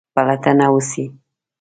پلټنه وسي.